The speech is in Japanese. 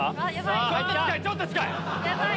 ちょっと近い！